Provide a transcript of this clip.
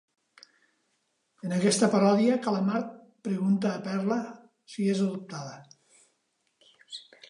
En aquesta paròdia, Calamard pregunta a Perla si és adoptada.